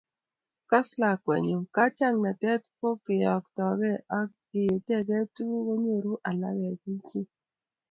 Kas lakwenyu, katiaknatet ko keyoktokei ak ietekei tuguk konyoru alake kelchin